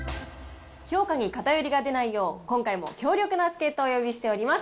評価に偏りが出ないよう、今回も強力な助っ人をお呼びしております。